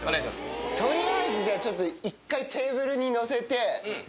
とりあえず、じゃあ、ちょっと一回、テーブルに載せて。